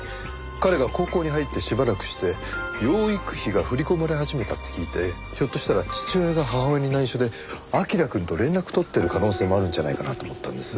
彼が高校に入ってしばらくして養育費が振り込まれ始めたって聞いてひょっとしたら父親が母親に内緒で彬くんと連絡取ってる可能性もあるんじゃないかなと思ったんです。